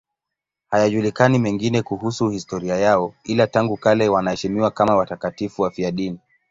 Hayajulikani mengine kuhusu historia yao, ila tangu kale wanaheshimiwa kama watakatifu wafiadini.